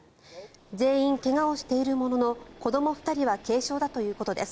全員怪我をしているものの子ども２人は軽傷だということです。